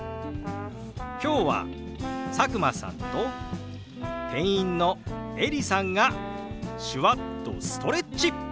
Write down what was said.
今日は佐久間さんと店員のエリさんが手話っとストレッチ！